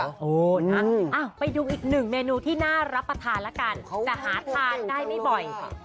โอ้โหนะไปดูอีกหนึ่งเมนูที่น่ารับประทานแล้วกันแต่หาทานได้ไม่บ่อย